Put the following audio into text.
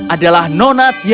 adalah nona tiara campbell